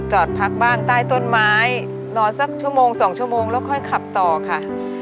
จอดพักบ้างใต้ต้นไม้นอน๑๒ชั่วโมงและขับต่อค่ะ